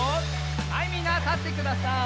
はいみんなたってください。